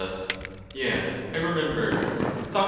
Yes, I remember. Soc.